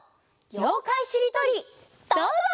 「ようかいしりとり」どうぞ！